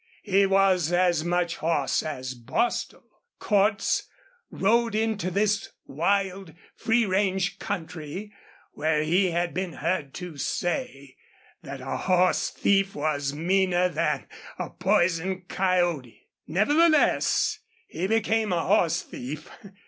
He was as much horse as Bostil. Cordts rode into this wild free range country, where he had been heard to say that a horse thief was meaner than a poisoned coyote. Nevertheless, he became a horse thief.